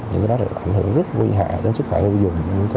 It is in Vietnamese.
những cái đó đã ảnh hưởng rất nguy hạ đến sức khỏe dùng